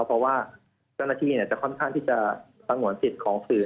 เพราะว่าเจ้าหน้าที่จะค่อนข้างที่จะสงวนสิทธิ์ของสื่อ